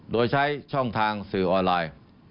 โดยใช้ช่องทางสื่อออนไลน์